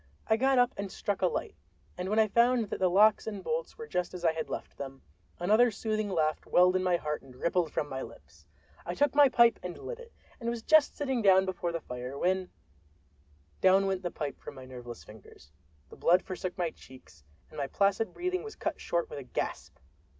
I got up and struck a light; and when I found that the locks and bolts were just as I had left them, another soothing laugh welled in my heart and rippled from my lips. I took my pipe and lit it, and was just sitting down before the fire, when—down went the pipe out of my nerveless fingers, the blood forsook my cheeks, and my placid breathing was cut short with a gasp!